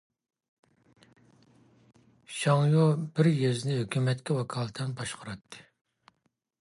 شاڭيو بىر يېزىنى ھۆكۈمەتكە ۋاكالىتەن باشقۇراتتى.